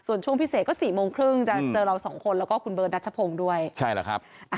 ส่วนช่วงพิเศษก็๔โมงครึ่งจะเจอเราสองคนแล้วก็คุณเบิร์ดดัชพงศ์ด้วยใช่แหละครับ